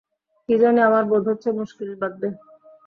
কী জানি, আমার বোধ হচ্ছে মুশকিল বাধবে।